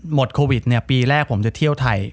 หมดโควิดปีแรกผมจะเที่ยวไทย